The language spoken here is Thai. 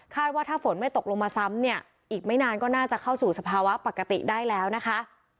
ว่าถ้าฝนไม่ตกลงมาซ้ำเนี่ยอีกไม่นานก็น่าจะเข้าสู่สภาวะปกติได้แล้วนะคะ